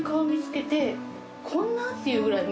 こんな⁉っていうぐらい。